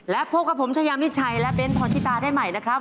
และพบกับผมชายามิดชัยและเบ้นพรชิตาได้ใหม่นะครับ